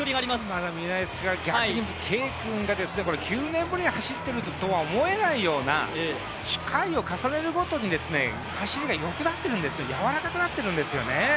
まだ見えないですが、逆にＫ君が９年ぶりに走っているとは思えないような機会を重ねるごとに走りがよくなっているんですね、やわらかくなってるんですよね。